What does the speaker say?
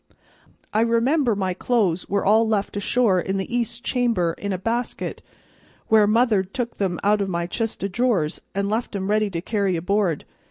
I remember my clothes were all left ashore in the east chamber in a basket where mother'd took them out o' my chist o' drawers an' left 'em ready to carry aboard.